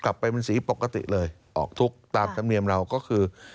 ไปเป็นสีปกติเลยออกทุกข์ตามธรรมเนียมเราก็คือ